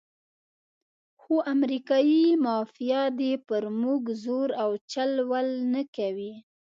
خو امریکایي مافیا دې پر موږ زور او چل ول نه کوي.